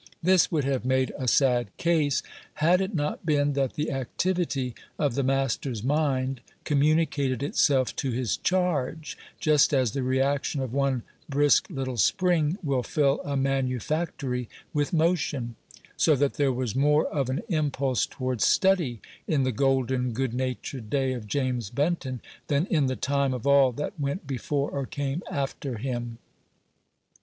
This would have made a sad case, had it not been that the activity of the master's mind communicated itself to his charge, just as the reaction of one brisk little spring will fill a manufactory with motion; so that there was more of an impulse towards study in the golden, good natured day of James Benton than in the time of all that went before or came after him.